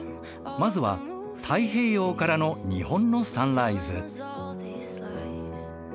まずは太平洋からの日本のサンライズ。